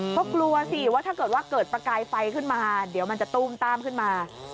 เพราะกลัวสิว่าถ้าเกิดว่าเกิดประกายไฟขึ้นมาเดี๋ยวมันจะตู้มต้ามขึ้นมา